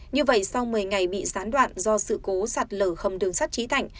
như vậy sau một mươi ngày bị gián đoạn do sự cố sạt lở khầm đường sắt trí thạch